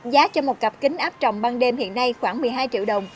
giá cho một cặp kính áp trồng ban đêm hiện nay khoảng một mươi hai triệu đồng